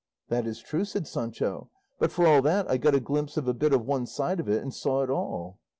"That is true," said Sancho, "but for all that I got a glimpse of a bit of one side of it, and saw it all."